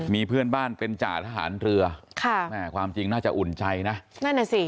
มีเพื่อนบ้านเป็นจ่าทหารเรือค่ะแม่ความจริงน่าจะอุ่นใจนะนั่นน่ะสิ